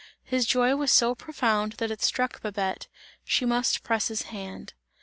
His joy was so profound that it struck Babette, she must press his hand.